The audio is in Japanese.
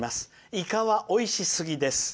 イカはおいしすぎです。